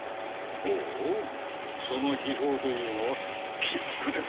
ほうその秘宝というのは？切符です。